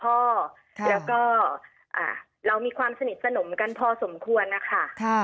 แล้วก็เรามีความสนิทสนมกันพอสมควรนะคะ